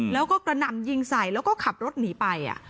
แล้วก็กระหน่ำยิงใส่แล้วก็ขับรถหนีไป